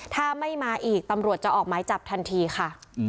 ถ้าไม่มาอีกตำรวจจะออกหมายจับทันทีค่ะ